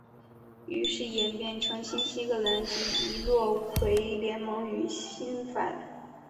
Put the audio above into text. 于是演变成新英格兰及易洛魁联盟与新法兰西和瓦巴纳基联盟间的相互对抗。